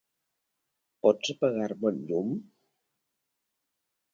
Pots apagar-me el llum?